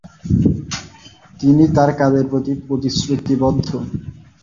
তিনি তার কাজের প্রতি প্রতিশ্রুতিবদ্ধ।